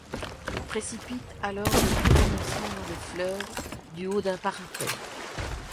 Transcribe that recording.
Il précipite alors le chiromancien dans le fleuve du haut d'un parapet.